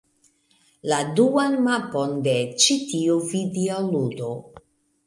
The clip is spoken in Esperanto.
La duan mapon de ĉi tiu videoludo.